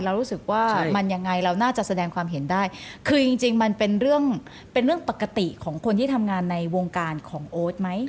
รู้สึกว่ามันยังไงเราน่าจะแสดงความเห็นได้คือจริงจริงมันเป็นเรื่องเป็นเรื่องปกติของคนที่ทำงานในวงการของโอ๊ตไหม